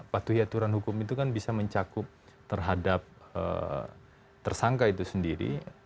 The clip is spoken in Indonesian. patuhi aturan hukum itu kan bisa mencakup terhadap tersangka itu sendiri